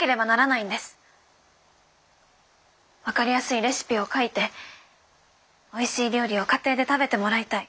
分かりやすいレシピを書いておいしい料理を家庭で食べてもらいたい。